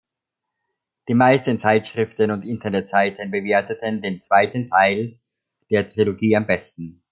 Die meisten Zeitschriften und Internetseiten bewerteten den zweiten Teil der Trilogie am besten.